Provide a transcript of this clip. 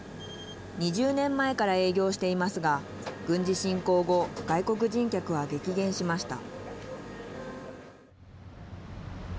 ２０年前から営業していますが軍事侵攻後外国人客は激減しました。